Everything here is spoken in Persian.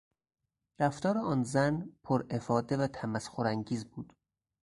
رفتار آن زن پر افاده و تمسخر انگیز بود.